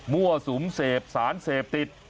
มั่วสุมเสพศาลเสพติด